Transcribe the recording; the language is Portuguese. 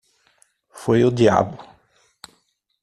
Foi o diabo!